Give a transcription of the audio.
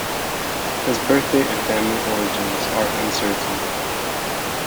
His birthdate and family origins are uncertain.